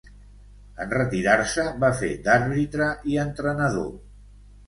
En retirar-se va fer d'àrbitre i entrenador.